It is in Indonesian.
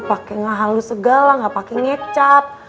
pake ngehalus segala gak pake ngecap